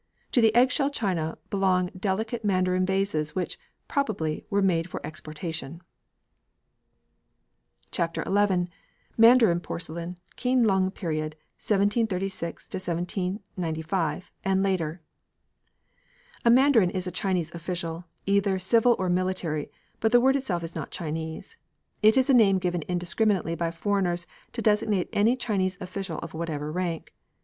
To the eggshell china belong the delicate Mandarin vases which, probably, were made for exportation. XI MANDARIN PORCELAIN CHAPTER XI MANDARIN PORCELAIN KEEN LUNG PERIOD (1736 1795) AND LATER A mandarin is a Chinese official, either civil or military, but the word itself is not Chinese. It is a name given indiscriminately by foreigners to designate any Chinese official of whatever rank.